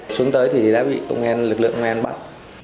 xuống tới thì đã bị công an lực lượng công an bắt